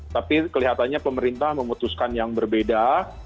tapi kelihatannya pemerintah memutuskan yang berbeda